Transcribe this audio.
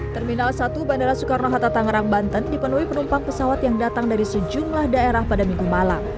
terminal satu bandara soekarno hatta tangerang banten dipenuhi penumpang pesawat yang datang dari sejumlah daerah pada minggu malam